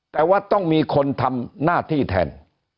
แต่ว่าต้องมีคนทำหน้าที่แทน